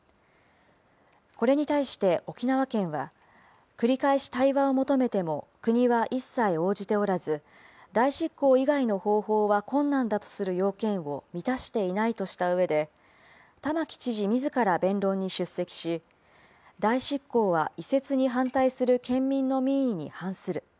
これに対して沖縄県は、繰り返し対話を求めても国は一切応じておらず、代執行以外の方法は困難だとする要件を満たしていないとしたうえで、玉城知事みずから弁論に出席し、代執行は移設に反対する県民の民意に反する。